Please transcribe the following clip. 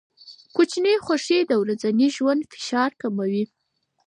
کوچني خوښۍ د ورځني ژوند فشار کموي.